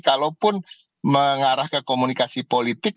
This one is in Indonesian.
kalaupun mengarah ke komunikasi politik